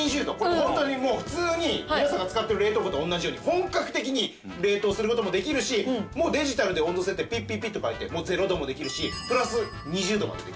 ホントにもう普通に皆さんが使ってる冷凍庫と同じように本格的に冷凍する事もできるしもうデジタルで温度設定ピッピッピッと変えて０度もできるしプラス２０度までできます。